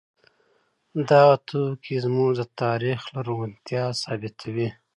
دغه توکي زموږ د تاریخ لرغونتیا ثابتوي.